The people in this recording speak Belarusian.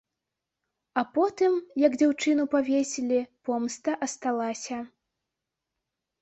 А потым, як дзяўчыну павесілі, помста асталася.